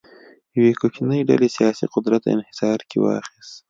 یوه کوچنۍ ډلې سیاسي قدرت انحصار کې واخیست.